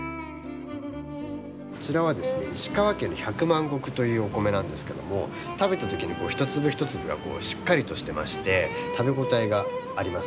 こちらはですね石川県のひゃくまん穀というお米なんですけども食べた時に一粒一粒がしっかりとしてまして食べ応えがあります。